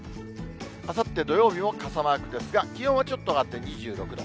あさって土曜日も傘マークですが、気温はちょっと上がって２６度。